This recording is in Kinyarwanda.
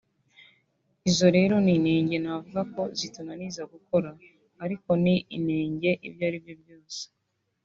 Izo rero ni inenge ntavuga ko zitunaniza gukora ariko ni inenge ibyo ari byo byose